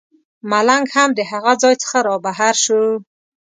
ملنګ هم د هغه ځای څخه رابهر شو.